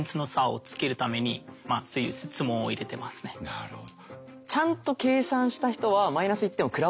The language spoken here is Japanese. なるほど。